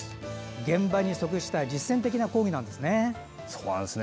現場に即した実践的な講義なんですね。